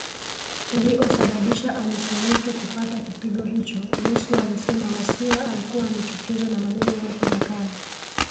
uliosababisha anusurike kupata kipigo hicho Lissu alisema Wasira alikuwa amechukizwa na maneno yake makali